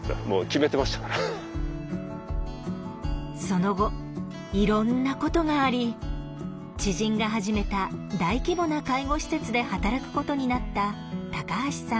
その後いろんなことがあり知人が始めた大規模な介護施設で働くことになった橋さん。